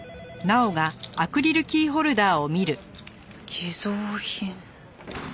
偽造品。